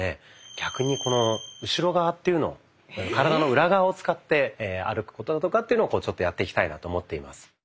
逆に後ろ側というのを。ええ⁉体の裏側を使って歩くことだとかっていうのをちょっとやっていきたいなと思っています。